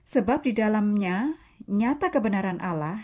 sebab di dalamnya nyata kebenaran allah